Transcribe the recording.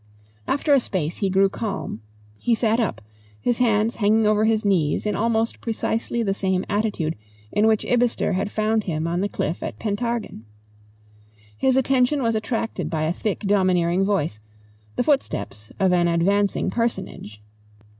After a space he grew calm. He sat up, his hands hanging over his knees in almost precisely the same attitude in which Isbister had found him on the cliff at Pentargen. His attention was attracted by a thick domineering voice, the footsteps of an advancing personage.